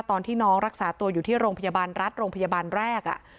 ตอนที่น้องรักษาตัวอยู่ที่โรงพยาบาลรัฐโรงพยาบาลแรก